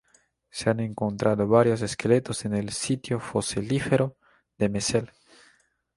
Se han encontrado varios esqueletos en el sitio fosilífero de Messel.